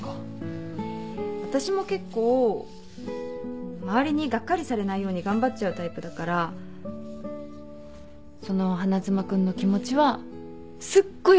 私も結構周りにがっかりされないように頑張っちゃうタイプだからその花妻君の気持ちはすっごい分かる。